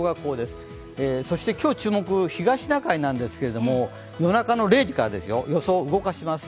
そして今日注目、東シナ海なんですけれども、夜中の０時から予想を動かします。